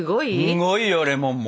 すごいよレモンも。